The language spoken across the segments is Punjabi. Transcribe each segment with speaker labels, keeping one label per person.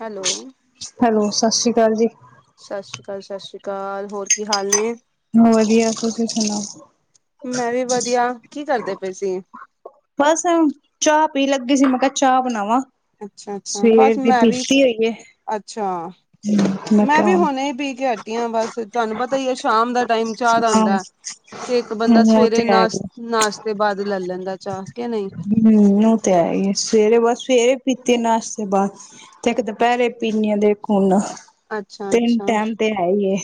Speaker 1: ਹੈਲੋ
Speaker 2: ਹੈਲੋ, ਸਸ ਸ੍ਰੀ ਕਾਲ ਜੀ
Speaker 1: ਸਸ ਸ਼੍ਰੀ ਅਕਾਲ, ਸਸ ਸ਼੍ਰੀ ਅਕਾਲ ਹੋਰ ਕੀ ਹਾਲ ਨੇ?
Speaker 2: ਵਧੀਆ, ਤੁਸੀਂ ਸੁਣਾਓ?
Speaker 1: ਮੈਂ ਵੀ ਵਧੀਆ, ਕੀ ਕਰਦੇ ਪਏ ਸੀ।
Speaker 2: ਬਸ, ਚਾਹ ਪੀਣ ਲੱਗੀ ਸੀ, ਮੈਂ ਕਿਆ ਚਾਹ ਬਣਾਵਾਂ।
Speaker 1: ਅੱਛਾ ਅੱਛਾ
Speaker 2: ਸਵੇਰ
Speaker 1: ਬਸ
Speaker 2: ਦੀ
Speaker 1: ਮੈਂ ਵੀ
Speaker 2: ਪੀਤੀ ਹੋਈ ਏ।
Speaker 1: ਅੱਛਾ
Speaker 2: [inaudible]
Speaker 1: ਮੈਂ ਵੀ ਹੁਣੇ ਹੀ ਪੀ ਕੇ ਹਟੀ ਆ, ਬਸ ਤੁਹਾਨੂੰ ਪਤਾ ਹੀ ਆ, ਸ਼ਾਮ ਦਾ ਟਾਈਮ ਚਾਹ ਦਾ
Speaker 2: ਹਮ
Speaker 1: ਹੁੰਦਾ। ਤੇ ਇੱਕ ਬੰਦਾ
Speaker 2: ਉਹ ਤੇ
Speaker 1: ਸਵੇਰੇ
Speaker 2: ਹੈ
Speaker 1: ਨਾਸ਼
Speaker 2: ਹੀ
Speaker 1: ਨਾਸ਼ਤੇ ਬਾਦ ਲੈ ਲੈਂਦਾ। ਚਾਹ ਕੇ ਨਈ
Speaker 2: ਹੂੰ, ਓਤੇ ਹੈ ਈ ਐ, ਸਵੇਰੇ ਬਸ ਸਵੇਰੇ ਪੀਤੇ ਨਾਸ਼ਤੇ ਬਸ ਤੇ ਇੱਕ ਦੁਪੈਰੇ ਪੀਨੀ ਆ ਤੇ, ਇੱਕ ਹੁਣ
Speaker 1: ਅੱਛਾ
Speaker 2: ਤਿੰਨ
Speaker 1: ਅੱਛਾ
Speaker 2: ਟੈਮ ਤੇ ਹੈ ਈ ਏ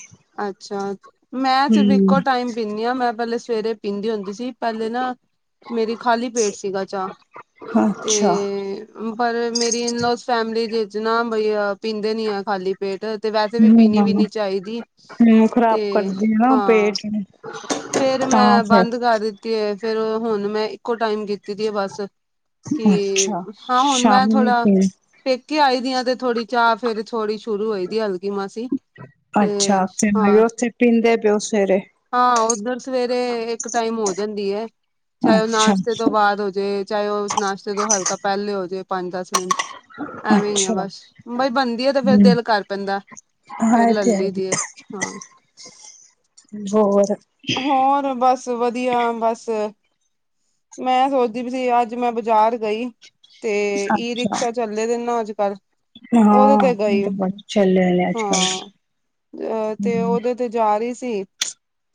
Speaker 1: ਅੱਛਾ, ਮੈਂ ਸਿਰਫ ਇੱਕੋ
Speaker 2: ਹਮ
Speaker 1: ਟਾਈਮ ਪੀਂਨੀ ਆ, ਮੈਂ ਪੈਹਲੇ ਸਵੇਰੇ ਪੀਂਦੀ ਹੁੰਦੀ ਸੀ ਸੀ, ਪਹਿਲੇ ਨਾ ਮੇਰੀ ਖਾਲੀ ਪੇਟ ਸੀਗਾ, ਚਾਹ
Speaker 2: ਅੱਛਾ
Speaker 1: ਤੇ ਪਰ ਮੇਰੀ, ਇਨ ਲੋਸ ਫੈਮਿਲੀ ਵਿੱਚ ਨਾ, ਬਈ ਪੀਂਦੇ ਨੀ ਆ ਖਾਲੀ ਪੇਟ ਤੇ ਵੈਸੇ ਵੀ ਪੀਣੀ ਵੀ ਨੀ ਚਾਹੀਦੀ।
Speaker 2: ਹੂੰ, ਖ਼ਰਾਬ
Speaker 1: ਤੇ
Speaker 2: ਕਰਦੀ ਆ, ਨਾ
Speaker 1: ਹਾਂ
Speaker 2: ਪੇਟ ਨੂੰ
Speaker 1: ਫੇਰ,
Speaker 2: ਤਾਂ
Speaker 1: ਮੈਂ
Speaker 2: ਫਿਰ
Speaker 1: ਬੰਦ ਕਰ ਦਿੱਤੀ ਏ, ਫੇਰ ਹੁਣ ਮੈਂ ਇੱਕੋ ਟਾਈਮ ਕੀਤਾ ਦੀ ਹੈ, ਬਸ ਕਿ
Speaker 2: ਅੱਛਾ
Speaker 1: ਹਾਂ ਹੁਣ ਮੈਂ
Speaker 2: ਸ਼ਾਮੀ
Speaker 1: ਥੋੜ੍ਹਾ
Speaker 2: ਪੀਣੀ
Speaker 1: ਪੇਕੇ ਆਈ ਦੀਆਂ, ਤੇ ਥੋੜੀ ਚਾਹ ਫੇਰ ਥੋੜੀ ਸ਼ੁਰੂ ਹੋਈ ਦੀ ਹਲਕੀ ਮਸੀ
Speaker 2: ਅੱਛਾ, [inaudible] ਓਥੇ ਪੀਂਦੇ ਬੋਤ ਸਵੇਰੇ
Speaker 1: ਹਾਂ, ਓਧਰ ਸਵੇਰੇ ਇੱਕ ਟਾਈਮ ਹੋ ਜਾਂਦੀ ਏ ਚਾਹੇ ਓ
Speaker 2: ਅੱਛਾ
Speaker 1: ਨਾਸ਼ਤੇ ਤੋਂ ਬਾਦ ਹੋਜੇ, ਚਾਹੇ ਓ ਨਾਸ਼ਤੇ ਤੋਂ ਹਲਕਾ ਪੈਹਲੇ ਹੋਜੇ, ਪੰਜ, ਦਸ ਮਿੰਟ ਐਵੇਂ ਈ ਆ
Speaker 2: ਅੱਛਾ
Speaker 1: ਬਸ, ਬਾਈ ਬਣਦੀ ਆ, ਤੇ ਫੇਰ
Speaker 2: ਹਮ
Speaker 1: ਦਿਲ ਕਰ ਪੈਂਦਾ ਫੇਰ
Speaker 2: ਹਾਂ ਇਹ
Speaker 1: ਲੈ
Speaker 2: ਤੇ ਹੈ
Speaker 1: ਲਈ ਦੀ ਆਂ।
Speaker 2: ਹੀ ਹੋਰ
Speaker 1: ਹੋਰ ਬਸ ਵਧੀਆ, ਬਸ ਮੈਂ ਸੋਚਦੀ ਪੀ ਸੀ, ਅੱਜ ਮੈਂ ਬਾਜ਼ਾਰ ਗਈ ਤੇ ਈ
Speaker 2: ਅੱਛਾ
Speaker 1: ਰਿਕਸ਼ਾ ਚੱਲੇ, ਦੇ ਨਾ ਅੱਜ ਕੱਲ੍ਹ ਓਦੇ
Speaker 2: ਹਾਂ
Speaker 1: ਤੇ
Speaker 2: ਇਹ
Speaker 1: ਗਈ
Speaker 2: ਤਾਂ ਬੜੇ ਚੱਲੇ ਨੇ ਅੱਜ ਕੱਲ
Speaker 1: ਹਾਂ। ਤੇ
Speaker 2: ਹਮ
Speaker 1: ਓਦੇ ਤੇ ਜਾ ਰਈ ਸੀ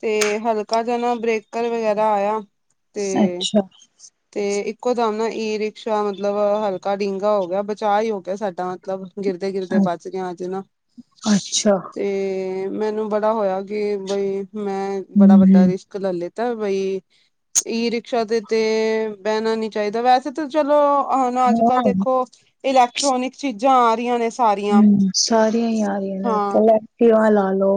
Speaker 1: ਤੇ ਹਲਕਾ ਜਾ ਨਾ, ਬ੍ਰੇਕਰ ਵਗੈਰਾ ਆਇਆ ਤੇ
Speaker 2: [unintelligible]
Speaker 1: ਤੇ ਇੱਕੋ ਦਮ ਨਾ, ਈ ਰਿਕਸ਼ਾ ਮਤਲਬ ਹਲਕਾ ਡੀਗਾ ਹੋ ਗਿਆ। ਬਚਾਅ ਹੀ ਹੋ ਗਿਆ ਸਾਡਾ ਮਤਲਬ ਗਿਰਦੇ-ਗਿਰਦੇ
Speaker 2: ਅ
Speaker 1: ਬਚਗੇ ਆਂ ਅੱਜ ਨਾ,
Speaker 2: ਅੱਛਾ
Speaker 1: ਤੇ ਮੈਨੂੰ ਬੜਾ ਹੋਇਆ ਕਿ ਬਈ, ਮੈਂ ਬੜਾ ਵੱਡਾ
Speaker 2: ਹਮ
Speaker 1: ਰਿਸ਼ ਲੇ ਲਿੱਤਾ ਬਈ, ਈ ਰਿਕਸ਼ਾ ਤੇ ਤੇ ਬਹਿਣਾ ਨੀ ਚਾਹੀਦਾ, ਵੈਸੇ ਚਲੋ, ਹੁਨ ਅੱਜ-ਕੱਲ
Speaker 2: ਹਾਂ
Speaker 1: ਦੇਖੋ, ਇਲੈਕਟ੍ਰੋਨਿਕ ਚੀਜ਼ਾਂ ਆਰੀਆਂ ਨੇ ਸਾਰੀਆਂ
Speaker 2: ਹੂੰ, ਸਾਰੀਆਂ ਈ ਆ ਰਹੀਆਂ ਨੇ,
Speaker 1: ਹਾਂ
Speaker 2: ਐਕਟਿਵਾ ਲਾਲੋ,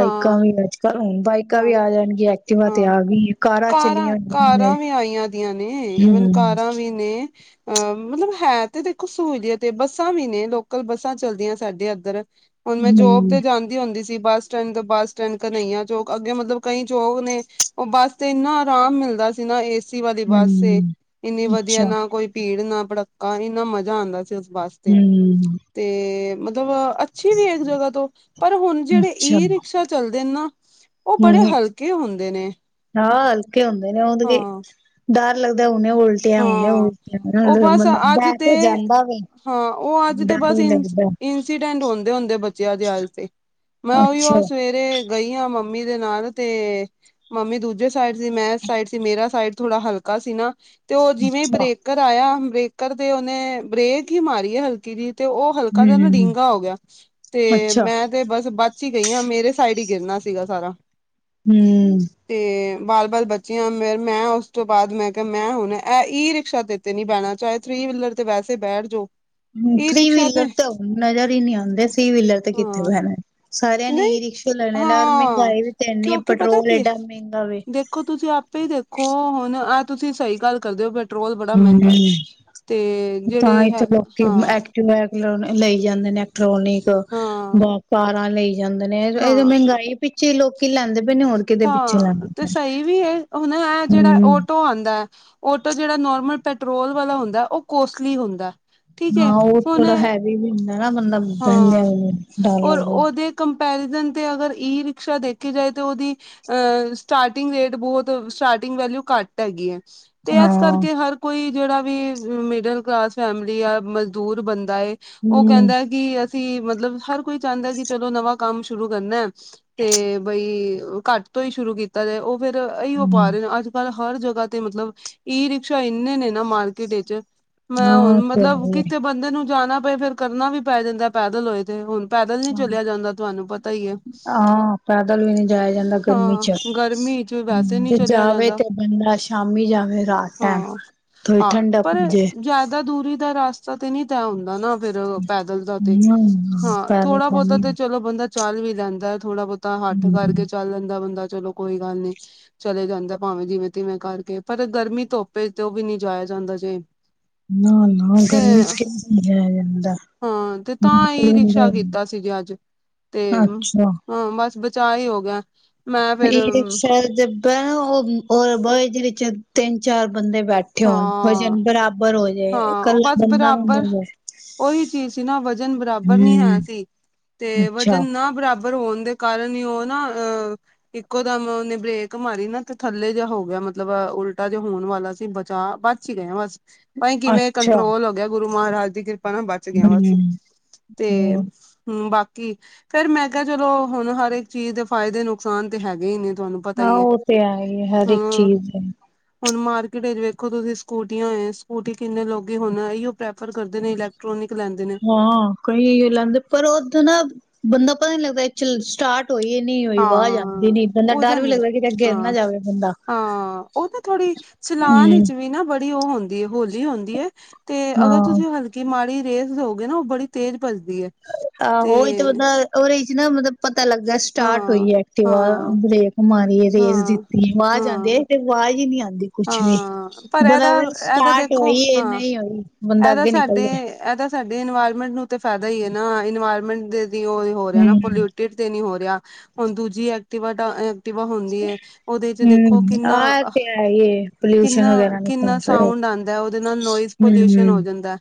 Speaker 1: ਹਾਂ
Speaker 2: ਵੀ ਅੱਜ-ਕੱਲ ਹੁੰ, ਬਾਈਕਾਂ ਵੀ
Speaker 1: ਹਾਂ
Speaker 2: ਆ ਜਾਣਗੀਆਂ ਐਕਟਿਵਾ
Speaker 1: ਹਾਂ
Speaker 2: ਤੇ ਆ ਗਈ, ਕਾਰਾਂ ਚੱਲੀਆਂ ਹੋਈਆਂ
Speaker 1: ਕਾਰਾਂ ਵੀ ਆਈਆਂ ਦੀਆਂ ਨੇ ਈਵਨ
Speaker 2: ਹਮ
Speaker 1: ਕਾਰਾਂ ਵੀ ਨੇ। ਅ, ਮਤਲਬ ਹੈ ਤੇ ਦੇਖੋ ਸਹੂਲੀਅਤ ਹੈ ਬੱਸਾਂ ਵੀ ਨੇ, ਲੋਕਲ ਬੱਸਾਂ ਚਲਦੀਆਂ ਸਾਡੇ ਇੱਧਰ। ਹੁਪ ਮੈਂ ਜੋਬ
Speaker 2: ਹਮ
Speaker 1: ਤੇ ਜਾਂਦੀ ਹੁੰਦੀ ਸੀ ਬੱਸ ਸਟੈਂਡ ਤੋਂ, ਬੱਸ ਸਟੈਂਡ ਘਨਈਆ ਚੌਕ। ਅੱਗੇ ਮਤਲਬ ਕਈ ਚੋਕ ਨੇ, ਉਹ ਬੱਸ ਤੇ ਇੰਨਾ ਆਰਾਮ ਮਿਲਦਾ ਸੀ ਨਾ ਇਸ ਏਸੀ ਵਾਲੀ ਬੱਸ ਏ,
Speaker 2: ਹਮ
Speaker 1: ਇੰਨੀ ਵਧੀਆ
Speaker 2: ਅੱਛਾ
Speaker 1: ਨਾ ਕੋਈ ਭੀੜ, ਨਾ ਭੜੱਕਾ ਇੰਨਾ ਮਜ਼ਾ ਆਂਦਾ ਸੀ, ਉਸ ਬੱਸ
Speaker 2: ਹਮ
Speaker 1: ਤੇ, ਮਤਲਬ ਅੱਛੀ ਵੀ ਏ ਇੱਕ ਜਗ੍ਹਾ ਤੋ, ਪਰ ਹੁਣ ਜਿਹੜੇ
Speaker 2: ਅੱਛਾ
Speaker 1: ਈ ਰਿਕਸ਼ਾ ਚੱਲਦੇਨ ਨਾ ਉਹ ਬੜੇ
Speaker 2: ਹੂੰ,
Speaker 1: ਹਲਕੇ ਹੁੰਦੇ ਨੇ
Speaker 2: ਹਾਂ ਹਲਕੇ ਹੁੰਦੇ ਨੇ ਉਹਦੇ ਕੇ
Speaker 1: ਹਾਂ
Speaker 2: ਡਰ ਲੱਗਦਾ ਹੁਣੇ ਉਲਟਿਆ, ਹੁਣੇ
Speaker 1: ਹਾਂ
Speaker 2: ਉਲਟਿਆ
Speaker 1: ਉਹ ਬਸ
Speaker 2: ਮਤਲਬ
Speaker 1: ਅੱਜ
Speaker 2: ਬਹਿ ਤੇ ਜਾਂਦਾ ਵੇ।
Speaker 1: ਹਾਂ, ਉਹ ਅੱਜ ਤੇ
Speaker 2: ਡਰ
Speaker 1: ਬਸ
Speaker 2: ਵੀ
Speaker 1: ਇ
Speaker 2: ਲੱਗਦਾ
Speaker 1: ਇੰਸੀਡੈਂਟ ਹੁੰਦੇ-ਹੁੰਦੇ ਬਚਿਆ‌ ਜੇ ਅੱਜ ਤੇ। ''ਮੈਂ
Speaker 2: ਅੱਛਾ
Speaker 1: ਉਹੀਓ ਸਵੇਰੇ ਗਈ ਆਂ, ਮੰਮੀ ਦੇ ਨਾਲ ਤੇ ਮੰਮੀ ਦੂਜੇ ਇੱਸ ਸਾਈਡ ਸੀ, ਮੈਂ ਇਸ ਸਾਈਡ ਸੀ ਮੇਰਾ ਸਾਈਡ ਥੋੜਾ ਹਲਕਾ ਸੀ ਨਾ, ਤੇ ਉਹ ਜਿਵੇਂ ਬ੍ਰੇਕ
Speaker 2: ਅੱਛਾ
Speaker 1: ਬਰੇਕਰ ਆਇਆ, ਬ੍ਰੇਕਰ ਤੇ ਉਹਨੇ ਬ੍ਰੇਕ ਹੀ ਮਾਰੀ ਏ, ਹਲਕੀ ਜੀ ਤੇ ਉਹ ਹਲਕਾ ਜਾ ਨਾ,
Speaker 2: ਹੂੰ
Speaker 1: ਡੀਂਗਾ ਹੋਗਿਆ। ਤੇ,
Speaker 2: ਅੱਛਾ
Speaker 1: ਮੈਂ ਤੇ ਬਸ ਬਚ ਹੀ ਗਈ ਆਂ, ਮੇਰੇ ਸਾਈਡ ਹੀ ਗਿਰਨਾ ਸੀਗਾ ਸਾਰਾ।
Speaker 2: ਹੂੰ
Speaker 1: ਤੇ, ਬਾਲ-ਬਾਲ ਬਚੇ ਆਂ, ਮੇ ''ਮੈਂ ਉਸ ਤੋਂ ਬਾਅਦ ''ਮੈਂ ਕਿਹਾ ਮੈਂ ਹੁਣ ਐ ਈ ਰਿਕਸ਼ਾ ਤੇ ਨੀ ਬਹਿਣਾ, ਚਾਹੇ ਥ੍ਰੀ ਵੀਲਰ ਤੇ ਵੈਸੇ ਬੈਠਜੋ।
Speaker 2: ਹੂੰ, ਥ੍ਰੀ ਵੀਲਰ ਤਾਂ ਨਜ਼ਰ ਹੀ ਨਹੀਂ ਆਉਂਦੇ ਥ੍ਰੀ ਵੀਲਰ ਤੇ ਕਿੱਥੇ
Speaker 1: ਹਾਂ
Speaker 2: ਬਹਿਣਾ। ਸਾਰਿਆਂ ਨੇ
Speaker 1: ਨਹੀਂ
Speaker 2: ਈ ਰਿਕਸ਼ੇ ਲੈ ਲਏ ਨੇ,
Speaker 1: ਹਾਂ
Speaker 2: ਮਹਿੰਗਾਈ ਵੀ ਤੇ ਇੰਨੀ ਏ,
Speaker 1: ਕਿਉਂਕਿ ਪਤਾ
Speaker 2: ਪੈਟਰੋਲ
Speaker 1: ਕੀ ਹੈ
Speaker 2: ਏਡਾ ਮਹਿੰਗਾ ਵੇ।
Speaker 1: ਦੇਖੋ, ਤੁਸੀਂ ਆਪੇ ਹੀ ਦੇਖੋ, ਹੁਣ ਆਹ ਤੁਸੀਂ ਸਹੀ ਗੱਲ ਕਰਦੇ ਹੋ ਬਟ ਪੈਟਰੋਲ ਬੜਾ
Speaker 2: ਹੂੰ
Speaker 1: ਮਹਿੰਗਾ ਏ, ਤੇ ਜਿਹੜੇ ਹੈ ਹਾਂ
Speaker 2: ਟ੍ਰੋਨਕ ਲਈ ਜਾਂਦੇ, ਇਲੈਕਟ੍ਰੋਨਿਕ
Speaker 1: ਹਾਂ
Speaker 2: ਬਾਪਾਰਾ ਲਈ ਜਾਂਦੇ ਨੇ, ਇਹ ਤੇ
Speaker 1: ਹਾਂ
Speaker 2: ਮਹਿੰਗਾਈ ਪਿੱਛੇ ਲੋਕੀ ਲੈਂਦੇ ਪਏ ਨੇ ਹੋਰ ਕਿਦੇ ਪਿੱਛੇ
Speaker 1: ਹਾਂ,
Speaker 2: ਲੈਂਦੇ
Speaker 1: ਤੇ
Speaker 2: ਪਏ
Speaker 1: ਸਹੀ ਵੀ ਏ, ਹੁਣ ਐ ਜਿਹੜਾ
Speaker 2: ਹਮ
Speaker 1: ਓਟੋ ਆਂਦਾ ਐ ਓਟੋ ਜਿਹੜਾ ਨੋਰਮਲ ਪੈਟਰੋਲ ਵਾਲਾ ਹੁੰਦਾ, ਉਹ ਕੋਸਟਲੀ ਹੁੰਦਾ। ਠੀਕ ਹੈ
Speaker 2: ਹਾਂ, ਉਹ
Speaker 1: ਹੁਣ
Speaker 2: ਥੋੜਾ ਹੈਵੀ ਵੀ ਹੁੰਦਾ ਨਾ ਬੰਦਾ
Speaker 1: ਹਾਂ
Speaker 2: ਬਹਿੰਦਿਆਂ ਡਰ
Speaker 1: ਔਰ
Speaker 2: ਲੱਗਦਾ।
Speaker 1: ਉਹਦੇ ਕੰਪੈਰੀਜ਼ਨ ਤੇ ਅਗਰ ਈ ਰਿਕਸ਼ਾ ਦੇਖੀ ਜਾਏ, ਤਾ ਉਹਦੀ ਅ ਸਟਾਰਟਿੰਗ ਰੇਟ ਬਹੁਤ, ਸਟਾਰਟਿੰਗ ਵੈਲਊ ਘੱਟ ਹੈਗੀ ਏ, ਤੇ ਇਸ
Speaker 2: ਹਾਂ
Speaker 1: ਕਰਕੇ ਹਰ ਕੋਈ ਜਿਹੜਾ ਵੀ, ਮਿਡਲ ਕਲਾਸ ਫੈਮਿਲੀ ਆ ਮਜ਼ਦੂਰ ਬੰਦਾ ਏ, ਉਹ
Speaker 2: ਹਮ
Speaker 1: ਕਹਿੰਦਾ ਕਿ ਅਸੀ, ਮਤਲਬ ਹਰ ਕੋਈ ਚਾਹੰਦਾ, ਕਿ ਚਲੋ ਨਵਾਂ ਕੰਮ ਸ਼ੁਰੂ ਕਰਨਾ। ਤੇ ਬਈ, ਘੱਟ ਤੋਂ ਹੀ ਸ਼ੁਰੂ ਕੀਤਾ ਜਾਏ, ਉਹ ਫੇਰ ਇਹੀ ਓ ਪਾ
Speaker 2: ਹਮ
Speaker 1: ਰਹੇ ਨੇ, ਅੱਜ ਕਲ ਹਰ ਜਗ੍ਹਾ ਤੇ, ਮਤਲਬ ਈ ਰਿਕਸ਼ਾ ਇੰਨੇ ਨੇ ਨਾ ਮਾਰਕੀਟ ਵਿੱਚ, ਮੈਂ
Speaker 2: ਹਾਂ
Speaker 1: ਹੁਣ
Speaker 2: ਉਹ ਤੇ ਹੈ
Speaker 1: ਮਤਲਬ
Speaker 2: ਹੀ
Speaker 1: ਕਿਤੇ
Speaker 2: ਹੈ।
Speaker 1: ਬੰਦੇ ਨੂੰ ਜਾਣਾ ਪਏ ਫੇਰ ਕਰਨਾ ਵੀ ਪੈ ਜਾਂਦਾ, ਪੈਦਲ ਹੋਏ ਤੇ ਹੁਣ। ਪੈਦਲ ਨੀ ਚਲਿਆ ਜਾਂਦਾ, ਤੁਵਾਨੂੰ ਪਤਾ ਹੀ ਏ,
Speaker 2: ਹਾਂ ਪੈਦਲ ਵੀ ਨਹੀਂ
Speaker 1: ਹਾਂ ਗਰਮੀ ਚ ਵੈਸੇ
Speaker 2: ਹੂੰ,
Speaker 1: ਨਹੀਂ
Speaker 2: ਤੇ
Speaker 1: ਚਲਿਆ
Speaker 2: ਜਾਵੇ
Speaker 1: ਜਾਂਦਾ
Speaker 2: ਤੇ ਬੰਦਾ ਸ਼ਾਮੀ ਜਾਵੇ ਰ੍ਹਾਤ ਟੈਮ।
Speaker 1: ਹਾਂ ਹਾਂ, ਪਰ ਜ਼ਿਆਦਾ ਦੂਰੀ ਦਾ ਰਾਸਤਾ ਤੇ ਨਹੀਂ ਤੈਅ ਹੁੰਦਾ ਨਾ ਫਿਰ, ਪੈਦਲ ਦਾ ਤੇ।
Speaker 2: ਹਮ
Speaker 1: ਹਾਂ,
Speaker 2: ਪੈਦਲ
Speaker 1: ਥੋੜਾ-ਬਹੁਤਾ
Speaker 2: ਜਾਨੀ
Speaker 1: ਤੇ
Speaker 2: ਆ
Speaker 1: ਚਲੋ ਬੰਦਾ ਚੱਲ ਵੀ ਲੈਂਦਾ ਥੋੜਾ ਬੋਤਾ ਹੱਠ
Speaker 2: ਹਮ
Speaker 1: ਕਰਕੇ ਚੱਲ ਲੈਂਦਾ ਬੰਦਾ ਚਲੋ ਕੋਈ ਗੱਲ ਨਹੀਂ ਚਲੇ ਜਾਂਦਾ ਭਾਵੇਂ ਜਿਵੇਂ ਤਿਵੇਂ ਕਰਕੇ ਪਰ ਗਰਮੀ ਧੁੱਪ ਤੇ ਉਹ ਵੀ ਨਹੀਂ ਜਾਇਆ ਜਾਂਦਾ ਜੇ
Speaker 2: ਨਾ- ਨਾ
Speaker 1: ਤੇ
Speaker 2: ਗਰਮੀ ਵਿੱਚ ਨਹੀਂ ਜਾਇਆਜਾਂਦਾ
Speaker 1: ਹਾਂ ਤੇ ਤਾਂ ਹੀ ਈ ਰਿਕਸ਼ਾ ਕੀਤਾ ਸੀ ਜੇ ਅੱਜ ਤੇ
Speaker 2: ਅੱਛਾ।
Speaker 1: ਹਾਂ ਬਸ ਬਚਾਅ ਹੀ ਹੋ ਗਿਆ ਮੈਂ ਫੇਰ
Speaker 2: ਈ ਰਿਕਸ਼ਾ ਬੈਣਾ ਉਦੋਂ ਬਏ ਜਦੋਂ ਵਿੱਚ ਤਿੰਨ ਚਾਰ ਬੰਦੇ ਬੈਠੇ ਹੋਣ
Speaker 1: ਹਾਂ
Speaker 2: ਵਜਨ ਬਰਾਬਰ ਹੋ ਜੇ
Speaker 1: ਹਾਂ ਉਹ
Speaker 2: ਇਕੱਲਾ
Speaker 1: ਬਸ
Speaker 2: ਬੰਦਾ ਨਾ
Speaker 1: ਬਰਾਬਰ
Speaker 2: ਬਵੇ
Speaker 1: ਉਹੀ ਚੀਜ਼ ਸੀ ਨਾ ਵਜ਼ਨ ਬਰਾਬਰ ਨਹੀਂ
Speaker 2: ਹੂੰ
Speaker 1: ਹੈ ਸੀ ਤੇ
Speaker 2: ਅੱਛਾ।
Speaker 1: ਵਜ਼ਨ ਨਾ ਬਰਾਬਰ ਹੋਣ ਦੇ ਕਾਰਨ ਹੀ ਉਹ ਨਾ ਅਹ ਇੱਕੋ ਦਮ ਉਹਨੇ ਬ੍ਰੇਕ ਮਾਰੀ ਨਾ ਤੇ ਥੱਲੇ ਜਿਹਾ ਹੋ ਗਿਆ ਮਤਲਬ ਉਲਟਾ ਜਿਹਾ ਹੋਣ ਵਾਲਾ ਸੀ ਬਚਾ ਬ ਅੱਛੀਕ ਬਸ [unintelligible] ਭਾਈ ਕਿਵੇਂ
Speaker 2: ਅੱਛਾ
Speaker 1: ਕੰਟਰੋਲ ਹੋ ਗਿਆ ਗੁਰੂ ਮਹਾਰਾਜ ਦੀ ਕਿਰਪਾ ਨਾ ਬਚ ਗਿਆ ਬਸ
Speaker 2: ਹੂੰ
Speaker 1: ਤੇ ਹਮ ਬਾਕੀ ਫੇਰ ਮੈਂ ਕਿਹਾ ਚਲੋ ਹੁਣ ਹਰ ਇੱਕ ਚੀਜ਼ ਦੇ ਫਾਇਦੇ ਨੁਕਸਾਨ ਤੇ ਹੈਗੇ ਹੀ ਨੇ ਤੁਹਾਨੂੰ। ਪਤਾ
Speaker 2: ਹਾਂ
Speaker 1: ਹੀ
Speaker 2: ਉਹ ਤੇ ਹੈ ਹੀ ਐ, ਹਰ ਇੱਕ
Speaker 1: ਹੁਣ
Speaker 2: ਚੀਜ਼ ਹੈ।
Speaker 1: ਹੁਣ ਮਾਰਕੀਟ ਵਿੱਚ ਵੇਖੋ ਤੁਸੀਂ ਸਕੂਟੀਆਂ ਏ ਸਕੂਟੀ ਕਿੰਨੇ ਲੋਕੀ ਹੋਣਾ ਇਹੀ ਉਹ ਪ੍ਰੈਫਰ ਕਰਦੇ ਨੇ ਇਲੈਕਟ੍ਰੋਨਿਕ ਲੈਂਦੇ ਨੇ।
Speaker 2: ਹਾਂ ਕਈ ਲੈਂਦੇ ਪਰ ਉੱਦਾਂ ਨਾ ਬੰਦਾ ਪਤਾ ਨੀ ਲੱਗਦਾ ਐਚੁ ਲ ਸਟਾਰਟ ਹੋਈ ਨੀ ਹੋਈ ਆਵਾਜ਼
Speaker 1: ਹਾਂ
Speaker 2: ਆਂਦੀ ਨੀ ਬੰਦਾ
Speaker 1: ਉਹਦਾ
Speaker 2: ਡਰ ਵੀ
Speaker 1: ਨੀ
Speaker 2: ਲੱਗਦਾ ਕਿਥੇ ਗਿਰ ਨਾ
Speaker 1: ਹਾਂ
Speaker 2: ਜਾਵੇ ਬੰਦਾ।
Speaker 1: ਹਾਂ ਉਹ ਤਾਂ ਥੋੜ੍ਹੀ ਚਲਾਨ
Speaker 2: ਹੂੰ
Speaker 1: ਵਿਚ ਵੀ ਨਾ ਬੜੀ ਉਹ ਹੁੰਦੀ ਐ ਹੋਲੀ ਹੁੰਦੀ ਹੈ, ਤੇ ਅਗਰ
Speaker 2: ਹਾਂ
Speaker 1: ਤੁਸੀਂ ਹਲ ਕਿ ਮਾੜੀ ਜੀ ਰੇਸ ਦੋਗੈ ਨਾ ਉਹ ਬੜੀ ਤੇਜ਼ ਭਜਦੀ ਹੈ।
Speaker 2: ਆਹੋਹੀ ਤੇ ਬਤਲਦਾ ਉਹਰੇਹੀ ਚ ਨਾ ਮਤਲਬ ਪਤਾ ਲੱਗਦਾ ਸਟਾਟ
Speaker 1: ਹਾਂ
Speaker 2: ਹੋਈਏ ਐਕਟਿਵਾ
Speaker 1: ਹਾਂ
Speaker 2: ਬਰੇਕ ਮਾਰੀਏ ਰੇਸ
Speaker 1: ਹਾਂ
Speaker 2: ਦਿੱਤੀ ਬਾਰ ਜਾਂਦੇ
Speaker 1: ਹਾਂ
Speaker 2: ਆਵਾਜ਼ ਹੀ ਨਹੀਂ ਆਂਦੀ। ਕੁਛ ਨੀ,
Speaker 1: ਹਾਂ ਪਰ
Speaker 2: ਬੰਦਾ
Speaker 1: ਇਹਦਾ ਇਹਦਾ
Speaker 2: ਸਟਾਟ
Speaker 1: ਦੇਖੋ
Speaker 2: ਹੋਈ ਨਹੀਂ ਹੋਈ ਬੰਦਾ ਅੱਗੇ ਨਿਕਲਦਾ
Speaker 1: ਐਦਾ ਸਾਡੇ ਇਨਵਾਇਰਮੈਂਟ ਨੂੰ ਤਾਂ ਫਾਇਦਾ ਹੀ ਹੈ ਨਾ, ਇਨਵਾਇਰਮੈਂਟ ਦੇ ਦੀ ਉਹ ਹੋ ਰਿਹਾ ਨਾ
Speaker 2: ਹਮ
Speaker 1: ਪੋਲਿਊਟ ਤੇ ਨਹੀਂ ਹੋ ਰਿਹਾ, ਹੁਣ ਦੂਜੀ ਐਕਟੀਵਾ ਦਾ ਐ ਐਕਟਿਵਾ ਹੁੰਦੀ ਹੈ। ਉਹਦੇ ਚ ਦੇਖੋ ਕਿੰਨਾ
Speaker 2: ਹੈਏ
Speaker 1: ਕਿੰਨਾ ਕਿੰਨਾ ਸਾਊਂਡ ਆਂਦਾ ਹੈ, ਉਹਦੇ ਨਾਲ ਨੋਇਜ਼ ਪੋਲਿਊਸ਼ਨ ਹੋ ਜਾਂਦਾਏ।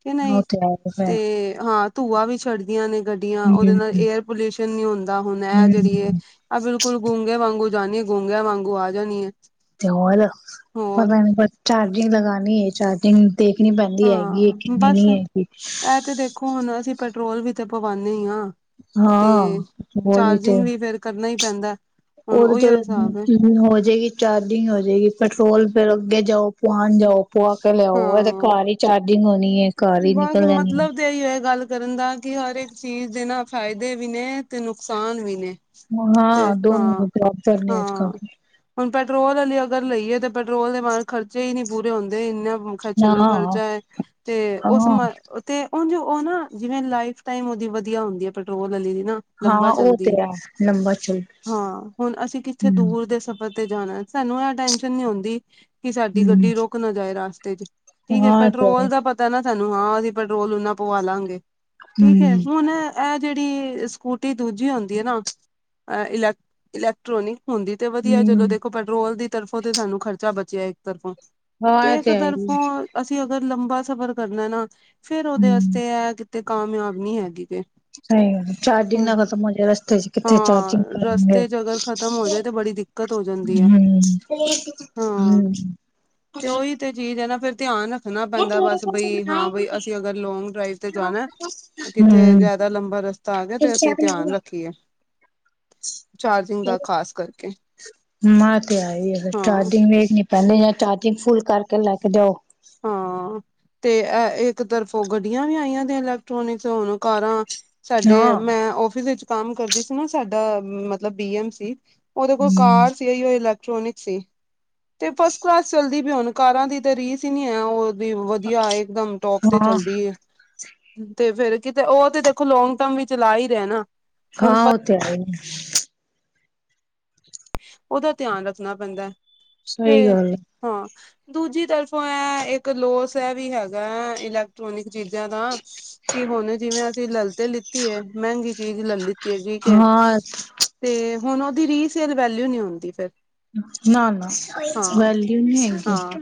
Speaker 1: ਕਿ
Speaker 2: ਉਹ
Speaker 1: ਨਹੀਂ,
Speaker 2: ਤੇ ਹੈ
Speaker 1: ਤੇ
Speaker 2: ਫੇਰ
Speaker 1: ਹਾਂ ਧੂਆ ਵਿ ਛੋ ਚੜਦੀਆਂ ਨੇ ਗੱਡੀਆਂ ਉਹਦੇ
Speaker 2: ਹਮ
Speaker 1: ਨਾਲ ਏਅਰ ਪੋਲਿਊਸ਼ਨ ਨਹੀਂ ਹੁੰਦਾ, ਹੁਣ ਇਹ ਜਿਹੜੀ ਐ
Speaker 2: ਹਮ
Speaker 1: ਆ ਬਿਲਕੁਲ ਗੂੰਗੇ ਵਾਂਗੂ ਜਣੀਏ ਗੂੰਗੇੇਆ ਵਾਂਗੂ ਆ ਜਾਣੀਏ।
Speaker 2: ਤੇ ਹੋਰ ਪਤਾ ਨਹੀਂ ਚਾਰਜਿੰਗ ਲਗਾਨੀ ਹੈ ਚਾਰਜਿੰਗ ਦੇਖਣੀ ਪੈਂਦੀ ਹੈਗੀਏ
Speaker 1: ਹਾਂ
Speaker 2: ਕਿਨੀ
Speaker 1: ਬਸ
Speaker 2: ਨੀ ਹੈਗੀ।
Speaker 1: ਇਹ ਤੇ ਦੇਖੋ ਹੁਣ ਅਸੀਂ ਪੈਟਰੋਲ ਵੀ ਤੇ ਪਵਾਂਦੇ ਹਾਂ ਤੇ
Speaker 2: ਹਾਂ ਬੋਲ ਤੇ
Speaker 1: ਚਾਰਜਿੰਗ ਵੀ ਫੇਰ ਕਰਨਾ ਹੀ ਪੈਂਦਾ ਏ।
Speaker 2: ਉਹ ਤੇ ਚਲੋ ਹੋ ਜਏਗੀ ਚਾਰਜਿੰਗ ਹੋ ਜਾਏਗੀ, ਪੈਟਰੋਲ ਫਿਰ ਅੱਗੇ ਜਾਓ ਪੁਆਣ ਜਾਓ ਪੁਆ ਕੇ ਲਿਆਓ, ਇਹਦੇ
Speaker 1: ਹਾਂ
Speaker 2: ਘਰ ਹੀ ਚਾਰਜਿੰਗ ਹੋਣੀ ਹੈ। ਘਰ ਹੀ
Speaker 1: ਬਸ
Speaker 2: ਨਿਕਲ ਜਾਣੀ ਹੈ
Speaker 1: ਮਤਲਬ ਤੇ ਇਹੀ ਹੋਆ ਗੱਲ ਕਰਨ ਦਾ ਕਿ ਹਰ ਇੱਕ ਚੀਜ਼ ਦੇ ਨਾ ਫਾਇਦੇ ਵੀ ਨੇ ਤੇ ਨੁਕਸਾਨ ਵੀ ਨੇ। ਤੇ
Speaker 2: ਹਾਂ
Speaker 1: ਹਾਂ
Speaker 2: ਦੋਨੋ ਬਰਾਬਰ ਨੇ ਆਜ ਕੱਲ
Speaker 1: ਹਾਂ
Speaker 2: ਤੇ
Speaker 1: ਹੁਣ ਪੈਟਰੋਲ ਆਲੀ ਅਗਰ ਲਈਏ ਤਾਂ ਪੈਟਰੋਲ ਦੇ ਬਾਰ ਖਰਚੇ ਹੀ ਨਹੀਂ ਪੂਰੇ ਹੁੰਦੇ ਇੰਨੇ ਖਰਚੇ
Speaker 2: ਨਾ
Speaker 1: ਤੇ ਖਰਚਾ ਹੈ ਤੇ ਉਸਨੂੰ
Speaker 2: ਹਾਂ
Speaker 1: ਮੈਂ ਤੇ ਉੰਝ ਉਹ ਨਾ ਜਿਵੇਂ ਲਾਈਫ ਟਾਈਮ ਉਹਦੀ ਵਧੀਆ ਹੁੰਦੀ ਹੈ, ਪੈਟਰੋਲ ਵਾਲੀ ਦੀ ਨਾ ਲੰਬਾ
Speaker 2: ਹਾਂ ਉਹ ਤੇ
Speaker 1: ਚਲਦੀ ਹੈ,
Speaker 2: ਲੰਬਾ ਚੱਲ
Speaker 1: ਹਾਂ ਹੁਣ ਅਸੀਂ ਕਿੱਥੇ
Speaker 2: ਹਮ
Speaker 1: ਦੂਰ ਦੇ ਸਫਰ ਤੇ ਜਾਣਾ ਏ ਸਾਨੂੰ ਇਹ ਟੈਸ਼ਨ ਨੀ ਹੋਦੀ, ਕਿ ਸਾਡੀ
Speaker 2: ਹਮ
Speaker 1: ਗੱਡੀ ਰੁਕ ਨਾ ਜਾਏ ਰਾਸਤੇ ਚ। ਠੀਕ ਹੈ
Speaker 2: ਹਾਂ ਇਹ ਤੇ
Speaker 1: ਪੈਟਰੋਲ ਦਾ ਪਤਾ ਹੈ ਨਾ ਸਾਨੂੰ ਹਾਂ ਅਸੀਂ ਪੈਟਰੋਲ ਈਨਾ ਪਵਾ ਲਾਗੇ। ਠੀਕ ਏ
Speaker 2: ਹਮ
Speaker 1: ਹੁਣ ਇਹ ਜਿਹੜੀ ਸਕੂਟੀ ਦੂਜੀ ਹੁੰਦੀ ਐ ਨਾ, ਇਲੈਕ- ਇਲੈਕਟ੍ਰੋਨਿਕ ਹੁੰਦੀ ਤੇ ਵਧੀਆ ਚਲੋ
Speaker 2: ਹਮ
Speaker 1: ਦੇਖੋ ਪੈਟਰੋਲ ਦੀ ਤਰਫੋਂ ਤੇ ਸਾਨੂੰ ਖਰਚਾ ਬਚਿਆ ਇੱਕ ਤਰਫੋਂ
Speaker 2: ਹਾਂ
Speaker 1: ਤੇ
Speaker 2: ਇਹ
Speaker 1: ਇੱਕ
Speaker 2: ਹੈ ਹੀ
Speaker 1: ਤਰਫੋਂ ਅਸੀਂ ਅਗਰ ਲੰਬਾ ਸਫ਼ਰ ਕਰਨਾ ਨਾ, ਫੇਰ ਉਹਦੇ
Speaker 2: ਹਮ
Speaker 1: ਵਾਸਤੇ ਇਹ ਕਿਤੇ ਕਾਮਯਾਬ ਨੀ ਹੈਗੀ ਕੋਈ।
Speaker 2: ਸਹੀ ਐ, ਚਾਰਜਿੰਗ ਨਾ ਖਤਮ ਹੋਜੇ ਨਾ ਰਸਤੇ ਚ ਕਿੱਥੇ
Speaker 1: ਹਾਂ
Speaker 2: ਚਾਰਜਿੰਗ ਕਰਨਾ ਐ।
Speaker 1: ਰਸਤੇ ਚ ਅਗਰ ਖ਼ਤਮ ਹੋ ਜਾਏ ਤੇ ਬੜੀ ਦਿੱਕਤ ਹੋ ਜਾਂਦੀ ਹੈ
Speaker 2: ਹੂੰ ਹੂੰ।
Speaker 1: ਹਾਂ ਤੇ ਉਹੀ ਤੇ ਚੀਜ਼ ਹੈ ਨਾ ਫ਼ਿਰ ਧਿਆਨ ਰੱਖਣਾ ਪੈਂਦਾ ਏ ਬਸ ਬਈ ਹਾਂ ਬਈ ਅਸੀਂ ਅਗਰ ਲੋਂਂਗ ਡਰਾਈਵ ਤੇ ਜਾਣਾ? ਤੇ ਕਿੱਥੇ
Speaker 2: ਹਮ
Speaker 1: ਜ਼ਿਆਦਾ ਲੰਬਾ ਰਸਤਾ ਆ ਗਿਆ, ਤੇ ਅਸੀਂ ਧਿਆਨ ਰੱਖੀਏ। ਚਾਰਜਿੰਗ ਦਾ
Speaker 2: ਹੋਰ
Speaker 1: ਖ਼ਾਸ ਕਰਕੇ
Speaker 2: ਆ ਤੇ ਹਾਈਏ ਫੇਰ
Speaker 1: ਹਾਂ
Speaker 2: ਚਾਰਜਿੰਗ ਵੇਖਨੀ ਪਹਿਲੇ ਜਾਂ ਚਾਰਜਿੰਗ ਫੁੱਲ ਕਰਕੇ ਲੈ ਕੇ ਜਾਓ।
Speaker 1: ਹਾਂ। ਤੇ ਇਹ ਇੱਕ ਤਰਫੋ ਗੱਡੀਆਂ ਵੀ ਆਈਆਂ ਦੀਆਂ ਇਲੈਕਟ੍ਰੋਨਿਕ ਹੁਣ ਕਾਰਾਂ ਸਾਡੇ
Speaker 2: ਹਾਂ।
Speaker 1: ਮੈਂ ਆਫਿਸ ਵਿੱਚ ਕੰਮ ਕਰਦੀ ਸੀ ਨਾ ਸਾਡਾ ਮਤਲਬ ਡੀ ਐਮ ਸੀ। ਉਹਦੇ ਕੋਲ
Speaker 2: ਹਮ
Speaker 1: ਕਾਰ ਸੀ ਉਹੀਓ ਇਲੈਕਟ੍ਰੋਨਿਕ ਸੀ, ਤੇ ਫਸਟ ਕਲਾਸ ਚਲਦੀ ਨੀ-ਨੀ ਕਾਰਾਂ ਦੀ ਤੇ ਰੀਸ ਈ ਨੀ ਐ ਉਹਦੀ ਵਧੀਆ ਇਕ ਦਮ ਟੋਪ ਤੇ
Speaker 2: ਹਾਂ
Speaker 1: ਚੱਲਦੀ ਏ। ਤੇ ਫੇਰ ਕਿਤੇ ਉਹ ਤੇ ਦੇਖੋ ਲੌਗ ਟਰਮ ਵੀ ਚਲਾ ਹੀ ਰਿਹੇ ਹੈ ਨਾਂ।
Speaker 2: ਹਾਂ ਉਹ ਤੇ ਹੈ ਈ।
Speaker 1: ਉਹਦਾ ਧਿਆਨ ਰੱਖਣਾ ਪੈਂਦਾ ਐ,
Speaker 2: ਸਹੀ
Speaker 1: ਤੇ
Speaker 2: ਗੱਲ ਹੈ।
Speaker 1: ਹਾਂ ਦੂਜੀ ਤਾ ਇਹ ਇੱਕ ਲੋਸ ਇਹ ਵੀ ਹੈਗਾ ਹੈ ਇਲੈਕਟ੍ਰੋਨਿਕ ਚੀਜ਼ਾਂ ਦਾ ਕਿ ਹੁਣ ਜਿਵੇਂ ਅਸੀਂ ਲੈਲ ਤੇ ਲਿੱਤੀ ਐ ਮਹਿੰਗੀ ਚੀਜ਼ ਲੈ ਲਿੱਤੀ ਹੈ ਠੀਕ ਹੈ,
Speaker 2: ਹਾਂ
Speaker 1: ਤੇ ਹੁਣ ਉਹਦੀ ਰੀਸੇਲ ਵੈਲਊ ਨੀ ਹੋਉਂਦੀ ਫੇਰ।
Speaker 2: ਨਾ -ਨਾ ਵੈਲਿਊ ਨੀ ਹੈਗੀ,
Speaker 1: ਹਾਂ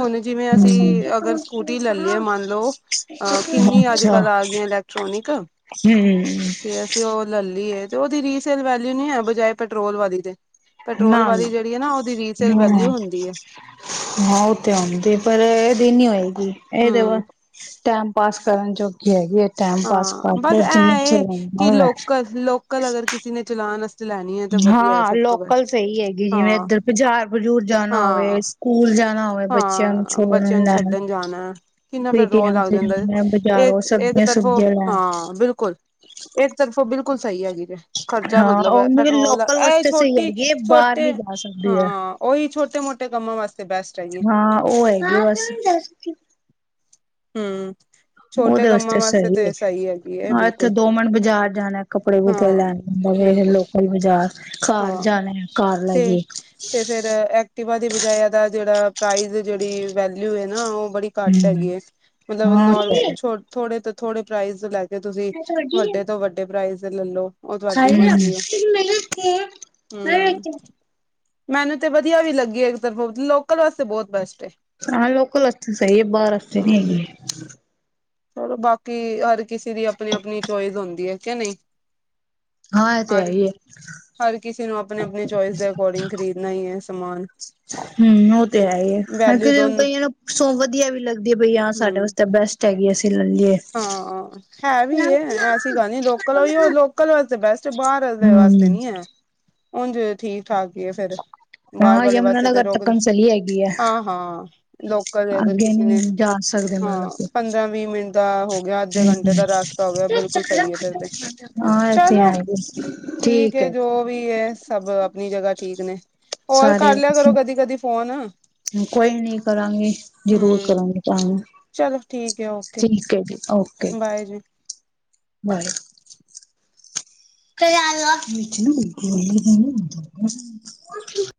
Speaker 1: ਹੁਣ ਜਿਵੇਂ ਅਸੀਂ ਅਗਰ ਸਕੂਟੀ ਲੈ ਲਈਏ ਮੰਨ ਲਓ ਅਹ
Speaker 2: ਹੂੰ
Speaker 1: ਕਿੰਨੀ ਅੱਜ
Speaker 2: ਅੱਛਾ
Speaker 1: ਕੱਲ੍ਹ ਆ ਗਈਆਂ ਇਲੈਕਟ੍ਰੋਨਿਕ
Speaker 2: ਹੂੰ
Speaker 1: ਲੈਲੀਏ ਤੇ ਉਹਦੀ ਰੀਸੇਲ ਵੈਲਿਊ ਨੀ ਹੈ ਬਜਾਏ ਪੈਟਰੋਲ ਵਾਲੀ ਦੇ। ਪੈਟਰੋਲ ਵਾਲੀ ਜਿਹੜੀ ਐ ਨਾ ਉਹਦੀ ਰੀਸੇਲ ਵੈਲਿਊ
Speaker 2: ਹਮ
Speaker 1: ਹੁੰਦੀ ਏ।
Speaker 2: ਹਾਂ ਉਹ ਤੇ ਆਉਂਦੇ ਪਰ ਇਹਦੀ ਨੀ ਹੋਏਗੀ ਇਹ ਤੇ
Speaker 1: ਹਮ
Speaker 2: ਬਸ ਟੈਮ ਪਾਸ ਕਰਨ ਜੋਗੀ ਹੈਗੀ ਹੈ ਟੈਮ ਪਾਸ
Speaker 1: ਹਾਂ
Speaker 2: ਕਰ ਲਓ ਜਿੰਨੇ ਚਿਰ ਓ ਐ।
Speaker 1: ਲੋਕ ਕਲ ਅਗਰ ਕਿਸੇ ਨੇ ਚਲਾਨ ਵਾ
Speaker 2: ਹਾਂ ਲੋਕਲ ਸਹੀ ਹੈਗੀ ਜਿਵੇਂ
Speaker 1: ਹਾਂ
Speaker 2: ਇੱਧਰ ਬਾਜ਼ਾਰ ਬਜੂਰ ਜਾਣਾ ਹੋਵੇ
Speaker 1: ਹਾਂ
Speaker 2: ਸਕੂਲ ਜਾਣਾ ਹੋਵੇ। ਬੱਚਿਆਂ ਨੂੰ
Speaker 1: ਹਾਂ
Speaker 2: ਛੋੜਨ
Speaker 1: ਬੱਚਿਆਂ ਨੂੰ
Speaker 2: ਲੈਣ
Speaker 1: ਛੱਡਣ ਜਾਣਾ, ਕਿੰਨਾ ਪੈਟਰੋਲ
Speaker 2: ਪੇਟੀਐਮ
Speaker 1: ਲੱਗ
Speaker 2: ਤੇ
Speaker 1: ਜਾਂਦਾ ਏ।
Speaker 2: ਜਾਣਾ ਬਾਜ਼ਾਰੋਂ
Speaker 1: ਇੱਕ- ਇੱਕ
Speaker 2: ਸਬਜ਼ੀਆਂ
Speaker 1: ਤਰਫੋ
Speaker 2: ਸੁਬਜ਼ੀਆਂ ਲੈਣ
Speaker 1: ਹਾਂ ਬਿਲਕੁਲ, ਇੱਕ ਤਰਫੋ ਬਿਲਕੁਲ ਸਹੀ ਹੈਗੀ ਏ। ਖ਼ਰਚਾ
Speaker 2: ਹਾਂ
Speaker 1: ਮਤਲਬ ਹੈ
Speaker 2: ਉਹ
Speaker 1: ਪੈਟਰੋਲ ਦਾ
Speaker 2: ਲੋਕਲ
Speaker 1: ਇਹ
Speaker 2: ਵਾਸਤੇ ਸਹੀ
Speaker 1: ਛੋਟੀ
Speaker 2: ਹੈਗੀ ਬਾਹਰ
Speaker 1: ਛੋਟੇ
Speaker 2: ਨੀ ਜਾ ਸਕਦੀ ਹੈ
Speaker 1: ਹਾਂ। ਉਹੀ ਛੋਟੇ ਮੋਟੇ ਕੰਮਾਂ ਵਾਸਤੇ ਬੈਸਟ- ਹੈਗੀ
Speaker 2: ਹਾਂ ਉਹ ਹੈਗੀ ਬਸ
Speaker 1: - [inaudible]
Speaker 2: ਉਹਦੇ ਵਾਸਤੇ ਸਹੀ
Speaker 1: ਤੇ
Speaker 2: ਏ,
Speaker 1: ਹੈਗੀ ਹੈ
Speaker 2: ਇੱਥੇ
Speaker 1: ਬਿਲਕੁਲ
Speaker 2: ਦੋ ਮਿੰਟ ਬਾਜ਼ਾਰ ਜਾਣਾ। ਕੱਪੜੇ -ਕੁੂਪੜੇ
Speaker 1: ਹਾਂ।
Speaker 2: ਲੈਣੇ ਲਈ
Speaker 1: ਬਿਲਕੁਲ
Speaker 2: ਲੋਕਲ ਬਜ਼ਾਰ ਘਾਰ
Speaker 1: ਹਾਂ
Speaker 2: ਜਾਣਾ ਕਾਰ
Speaker 1: ਤੇ
Speaker 2: ਲੈਕੇ।
Speaker 1: ਤੇ ਫੇਰ ਐਕਟੀਵਾ ਦੀ ਬਜਾਏ ਇਹਦਾ ਜਿਹੜਾ ਪ੍ਰਾਈਜ਼ ਜਿਹੜੀ ਵੈਲਿਊ ਹੈ ਨਾ ਉਹ ਬੜੀ ਘੱਟ ਹੈਗੀਏ ਮਤਲਬ
Speaker 2: ਹਮ
Speaker 1: ਨੋਰ ਥੋੜੇ ਤੋਂ ਥੋੜੇ ਪ੍ਰਾਈਜ਼ ਲੈ ਤੇ ਤੁਸੀਂ ਵੱਡੇ ਤੋਂ ਵੱਡੇ ਪ੍ਰਾਈਜ਼ ਲੈ ਲੋ।
Speaker 2: ਹੂੰ।
Speaker 1: ਹੂੰ, ਮੈਨੂੰ ਤੇ ਵਧੀਆ ਵੀ ਲੱਗੀ ਏਕ ਤਰਫ਼ੋਂ ਲੋਕਲ ਵਾਸਤੇ ਬੋਤ ਬੈਸਟ ਏ।
Speaker 2: ਹਾਂ ਲੋਕਲ ਵਾਸਤੇ ਸਈ ਏ, ਬਾਰ ਵਸਤੇ ਨੀ
Speaker 1: ਹਾਂ।
Speaker 2: ਹੈਗੀ।
Speaker 1: ਚਲੋ ਬਾਕੀ ਹਰ ਕਿਸੇ ਦੀ ਅਪਨੀ ਅਪਨੀ ਚੋਇਸ ਹੁੰਦੀ ਐ ਕਿ ਨਈ?
Speaker 2: ਹਾਂ ਇਹ ਤੇ ਹੈ
Speaker 1: ਹਰ,
Speaker 2: ਹੀ ਹੈ।
Speaker 1: ਹਰ ਕਿਸੀ ਨੂੰ ਆਪ ਅਪਨੀ ਅਪਨੀ ਚੋਇਸ ਦੇ ਅਕੋਰਡਿੰਗ ਖਰੀਦਨਾ ਈ ਏ ਸਮਾਨ।
Speaker 2: ਹੂੰ, ਓ ਤੇ ਹੈ ਈ ਏ, ਹਰ
Speaker 1: ਵੈਲਿਊ
Speaker 2: ਕਈਆਂ
Speaker 1: ਦੋਨ
Speaker 2: ਕਈਆਂ ਨੂੰ ਸੋਪ ਵਧੀਆ ਵੀ ਲੱਗਦੀ ਏ ਬਈ ਹਾਂ ਸਾਡੇ
Speaker 1: ਹੂੰ
Speaker 2: ਵਾਸਤੇ ਬੈਸਟ ਹੈਗੀ ਏ ਅਸੀ ਲੈਲ ਲਿਏ।
Speaker 1: ਹਾਂ ਹੈ ਵੀ ਏ ਐਸੀ ਗੱਲ ਨੀ, ਲੋਕਲ ਓਇਓ ਲੋਕਲ ਵਾਸਤੇ ਬੈਸਟ ਬਾਰ ਵਾਸਤੇ
Speaker 2: ਹਮ।
Speaker 1: ਨੀ ਐ। ਉਂਝ ਠੀਕ ਠਾਕ ਈ ਏ ਫਿਰ। ਬਾਰ
Speaker 2: ਹਾਂ
Speaker 1: ਵਾਲੇ
Speaker 2: ਯਮੁਨਾ
Speaker 1: ਵਾਸਤੇ ਤੇ
Speaker 2: ਨਗਰ
Speaker 1: ਰੋਕ
Speaker 2: ਤੱਕਣ ਚਲੀ ਹੈਗੀ ਹੈ
Speaker 1: ਹਾਂ-ਹਾਂ ਲੋਕਲ ਅਗਰ
Speaker 2: ਅੱਗੇ
Speaker 1: ਕਿਸੇ
Speaker 2: ਨੀ
Speaker 1: ਨੇ
Speaker 2: ਜਾ ਸਕਦੇ ਮਤਲਬ
Speaker 1: ਹਾਂ
Speaker 2: ਕਿ।
Speaker 1: ਪੰਦਰਾਂ-ਵੀਹ ਮਿੰਟ ਦਾ ਹੋ ਯਾ ਅੱਧੇ ਘੰਟੇ ਦਾ ਰਸਤਾ ਹੋ ਗਿਆ ਬਿਲਕੁਲ ਸਈ ਏ ਫਿਰ ਤੇ
Speaker 2: ਹਾਂ ਇਹ ਤੇ
Speaker 1: ਚਲੋ
Speaker 2: ਹੈ ਹੀ
Speaker 1: ਠੀਕ ਏ
Speaker 2: ਹੈ
Speaker 1: ਜੋ ਵੀ ਏ ਸਭ ਅਪਨੀ ਜਗ੍ਹਾ ਠੀਕ ਨੇ। ਹੋਰ
Speaker 2: ਸਾਰੇ
Speaker 1: ਕਰ ਲਿਆ ਕਰੋ ਕਦੀ-ਕਦੀ ਫੋਨ।
Speaker 2: ਕੋਈ ਨੀ ਕਰਾਂਗੀ ਜ਼ਰੂਰ
Speaker 1: ਹੂੰ
Speaker 2: ਕਰਾਂਗੀ ਤੁਆਨੁ।
Speaker 1: ਚਲੋ ਠੀਕ ਏ ਓਕੇ।
Speaker 2: [unintelligible] ਓ
Speaker 1: ਬਾਏ ਜੀ।
Speaker 2: ਬਾਏ। [unintelligible]